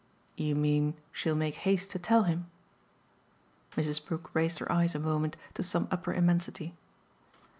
"You mean she'll make haste to tell him?" Mrs. Brook raised her eyes a moment to some upper immensity.